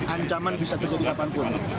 ancaman bisa terjadi kapanpun